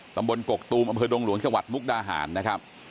กกตูมอำเภอดงหลวงจังหวัดมุกดาหารนะครับ